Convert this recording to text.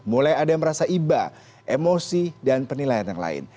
mulai ada yang merasa iba emosi dan penilaian yang lain